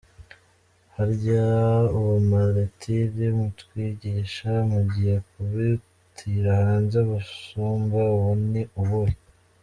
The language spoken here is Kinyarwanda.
Harya ubumaritiri mutwigisha mugiye kubutira hanze busumba ubu ni ubuhe?